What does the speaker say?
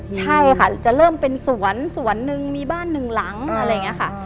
ใช่ค่ะจะเริ่มเป็นสวนสวนหนึ่งมีบ้านหนึ่งหลังอะไรอย่างนี้ค่ะ